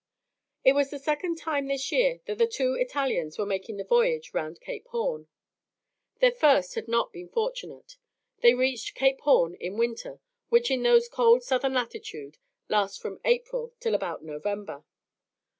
It was the second time this year that the two Italians were making the voyage round Cape Horn. Their first had not been fortunate; they reached Cape Horn in winter, which in those cold southern latitudes lasts from April till about November.